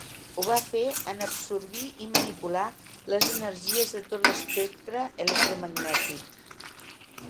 Ho va fer en absorbir i manipular les energies de tot l'espectre electromagnètic.